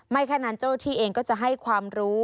แค่นั้นเจ้าหน้าที่เองก็จะให้ความรู้